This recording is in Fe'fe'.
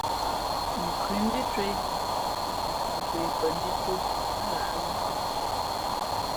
Nkhʉndhǐ cwēh, α kwe pαndhī cō nά hǎʼzʉ́.